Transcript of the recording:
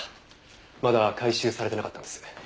まだ回収されてなかったんです。